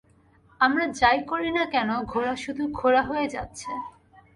আমরা যাই করি না কেন, ঘোড়া শুধু খোঁড়া হয়ে যাচ্ছে।